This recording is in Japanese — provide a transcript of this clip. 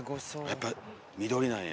やっぱ緑なんや。